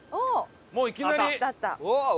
もういきなり。